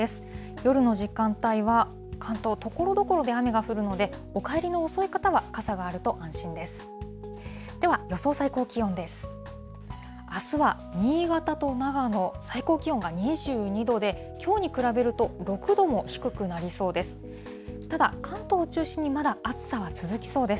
夜の時間帯は関東、ところどころで雨が降るので、お帰りの遅い方は、傘があると安心です。